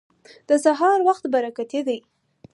د سهار وخت برکتي دی.